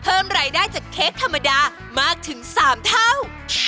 เพิ่มรายได้จากเค้กธรรมดามากถึง๓เท่า